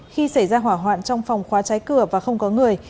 khi xảy ra hỏa hoạn trong phòng khóa cháy cửa và không có người